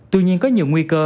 tuy nhiên có nhiều nguy cơ